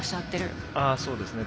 そうですね。